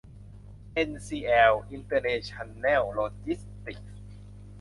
เอ็นซีแอล อินเตอร์เนชั่นแนล โลจิสติกส์